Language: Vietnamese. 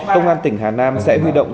công an tỉnh hà nam sẽ huy động